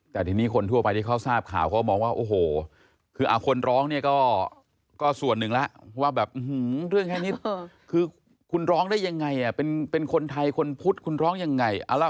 แต่ทีนี้คนทั่วไปที่เขาทราบข่าวเขามองว่าโอ้โหคือคนร้องเนี่ยก็ส่วนหนึ่งแล้วว่าแบบเรื่องแค่นี้คือคุณร้องได้ยังไงเป็นคนไทยคนพุทธคุณร้องยังไง